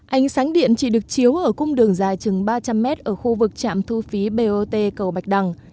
ánh sáng điện chỉ được chiếu ở cung đường dài chừng ba trăm linh m ở khu vực trạm thu phí bot cầu bạch đằng